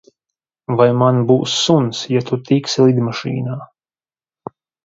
Vai man būs suns, ja tu tiksi lidmašīnā?